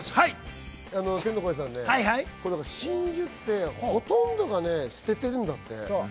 真珠ってほとんどが捨ててるんだって。